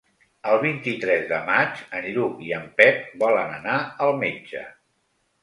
El vint-i-tres de maig en Lluc i en Pep volen anar al metge.